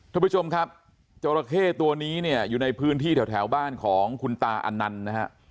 ท่านผู้ชมครับจราเข้ตัวนี้เนี่ยอยู่ในพื้นที่แถวบ้านของคุณตาอันนันต์นะฮะ